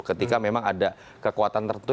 ketika memang ada kekuatan tertentu